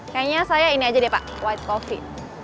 kayaknya saya ini aja deh pak white coffee